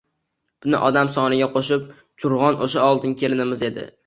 Buni odam soniga qo‘shib jurg‘an o‘sha oldingi kelinimiz edi